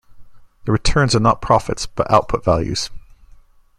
The "returns" are not profits, but output values.